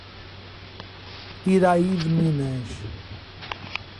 Iraí de Minas